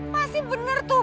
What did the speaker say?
pasti bener tuh